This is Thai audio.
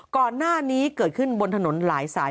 ก่อนหน้านี้เกิดขึ้นบนถนนหลายสาย